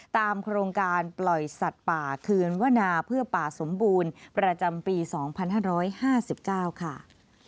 โครงการปล่อยสัตว์ป่าคืนวนาเพื่อป่าสมบูรณ์ประจำปี๒๕๕๙ค่ะ